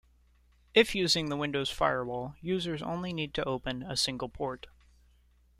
If using the Windows firewall, users only need to open a single port.